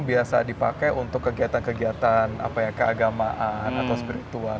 biasa dipakai untuk kegiatan kegiatan apa ya keagamaan atau spiritual